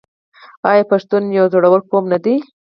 آیا پښتون یو زړور قوم نه دی؟